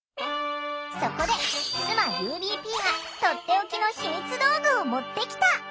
そこで須磨ＵＢＰがとっておきのヒミツ道具を持ってきた！